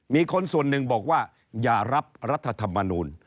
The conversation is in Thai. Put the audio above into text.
มีคนส่วนหนึ่งบอกว่าอย่ารับรัฐธรรมนูล